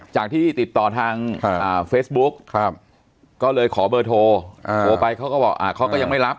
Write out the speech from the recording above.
ที่ติดต่อทางเฟซบุ๊กก็เลยขอเบอร์โทรโทรไปเขาก็บอกเขาก็ยังไม่รับ